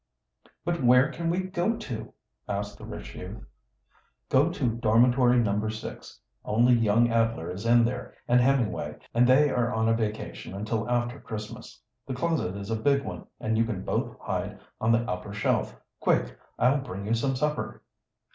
"But where can we go to?" asked the rich youth. "Go to Dormitory No. 6. Only young Adler is in there, and Hemmingway, and they are on a vacation until after Christmas. The closet is a big one, and you can both hide on the upper shelf. Quick! I'll bring you some supper."